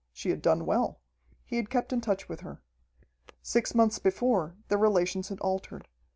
She had done well. He had kept in touch with her. Six months before, their relations had altered.